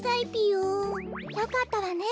よかったわね